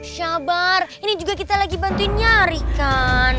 syabar ini juga kita lagi bantuin nyari kan